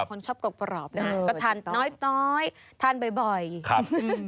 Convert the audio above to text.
คนชอบกรกประหลอบน่ะก็ทานน้อยน้อยทานบ่อยบ่อยครับ